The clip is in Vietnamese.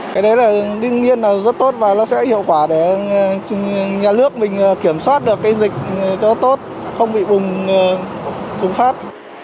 cái đấy là đương nhiên là rất tốt và nó sẽ hiệu quả để nhà nước mình kiểm soát được cái dịch cho tốt không bị bùng phát